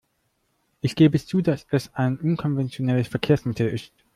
Ich gebe zu, dass es ein unkonventionelles Verkehrsmittel ist.